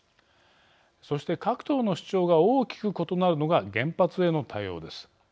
そして各党の主張が大きく異なるのが原発への対応です。